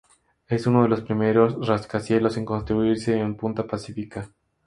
Es uno de los primeros rascacielos en construirse en Punta Pacífica.